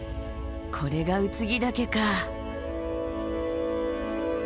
これが空木岳か。